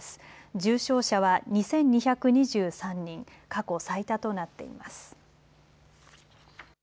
重症者は２２２３人、過去最多となっています。